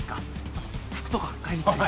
あと服とか買いに行ったり。